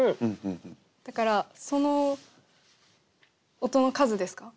だからその音の数ですか？